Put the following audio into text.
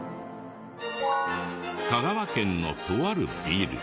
香川県のとあるビル。